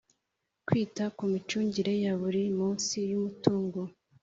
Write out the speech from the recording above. Kwita ku micungire ya buri munsi y’ umutungo